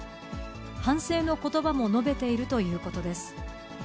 反省のことばも述べているということです。